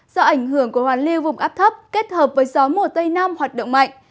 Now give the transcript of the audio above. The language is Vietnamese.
do ảnh hưởng của hoàn lưu vùng áp thấp kết hợp với gió mùa tây nam hoạt động mạnh